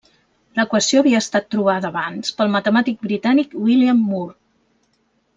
L'equació havia estat trobada abans pel matemàtic britànic William Moore.